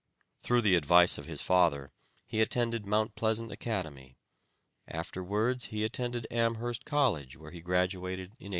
Through the advice of his father, he attended Mount Pleasant Academy. Afterwards he attended Amherst College where he graduated in 1834.